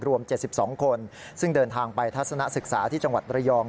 รวม๗๒คนซึ่งเดินทางไปทัศนศึกษาที่จังหวัดระยอง